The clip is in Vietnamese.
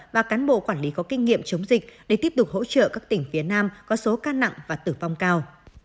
và cán bộ quản lý có kinh nghiệm chống dịch để tiếp tục hỗ trợ các tỉnh phía nam có số ca nặng và tử vong cao